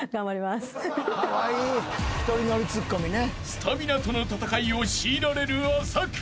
［スタミナとの戦いを強いられる麻倉］